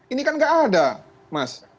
ini kan nggak ada mas